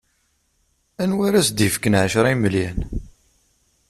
Anwa ara as-d-ifken ɛecra n yimelyan?